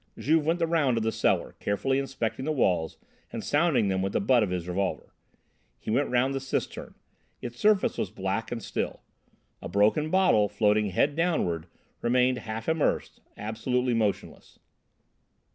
Juve went the round of the cellar, carefully inspecting the walls and sounding them with the butt of his revolver. He went round the cistern. Its surface was black and still. A broken bottle, floating head downward, remained half immersed, absolutely motionless.